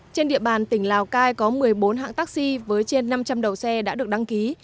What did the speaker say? trên địa bàn tỉnh lào cai có một mươi bốn hãng taxi với trên năm trăm linh đầu xe đã được đăng ký